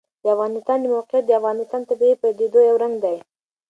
د افغانستان د موقعیت د افغانستان د طبیعي پدیدو یو رنګ دی.